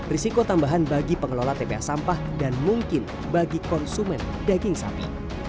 risiko tambahan bagi pengelola tpa sampah dan mungkin bagi konsumen daging sapi